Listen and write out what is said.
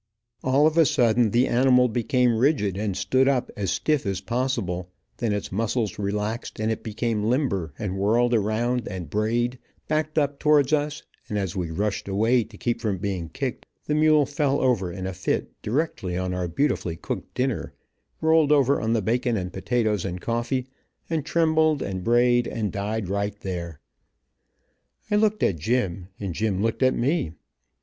All of a sudden the animal became rigid, and stood up as stiff as possible, then its muscles relaxed, and it became limber, and whirled around and brayed, backed up towards us, and as we rushed away to keep from being kicked, the mule fell over in a fit directly on our beautifully cooked dinner, rolled over on the bacon and potatoes and coffee, and trembled and brayed, and died right there. I looked at Jim and Jim looked at me.